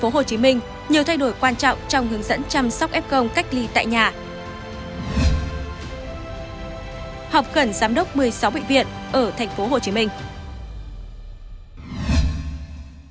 học cẩn giám đốc một mươi sáu bệnh viện ở thành phố hồ chí minh